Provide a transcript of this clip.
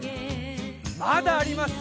まだあります！